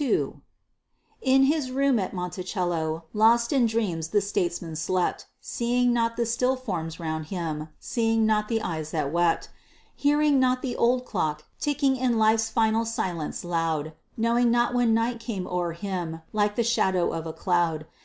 II In his room at Monticello, lost in dreams the statesman slept, Seeing not the still forms round him, seeing not the eyes that wept, Hearing not the old clock ticking in life's final silence loud, Knowing not when night came o'er him like the shadow of a cloud.